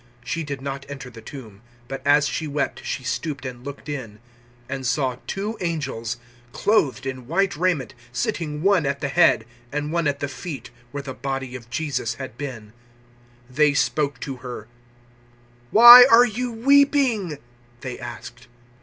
She did not enter the tomb, but as she wept she stooped and looked in, 020:012 and saw two angels clothed in white raiment, sitting one at the head and one at the feet where the body of Jesus had been. 020:013 They spoke to her. "Why are you weeping?" they asked.